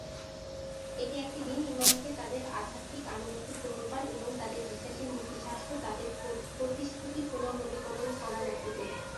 এটি একটি দিন ইমামকে তাদের আধ্যাত্মিক আনুগত্য পুনর্বার এবং তাদের বিশ্বাসের নীতিশাস্ত্র তাদের প্রতিশ্রুতি পুনর্নবীকরণ করার একটি দিন।